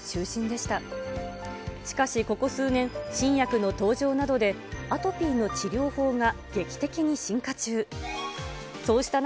しかし、ここ数年、新薬の登場などでアトピーの治療法が劇的に進化中。